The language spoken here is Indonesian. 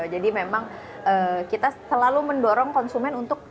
jadi memang kita selalu mendorong konsumen untuk belanja